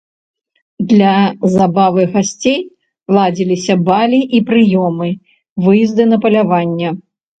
Для забавы гасцей ладзіліся балі і прыёмы, выезды на паляванне.